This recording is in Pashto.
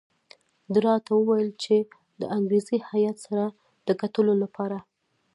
ده راته وویل چې د انګریزي هیات سره د کتلو لپاره.